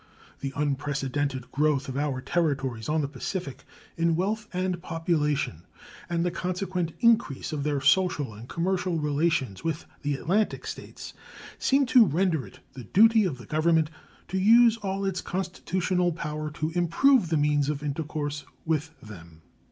The unprecedented growth of our territories on the Pacific in wealth and population and the consequent increase of their social and commercial relations with the Atlantic States seem to render it the duty of the Government to use all its constitutional power to improve the means of intercourse with them.